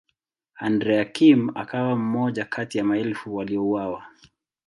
Andrea Kim akawa mmoja kati ya maelfu waliouawa.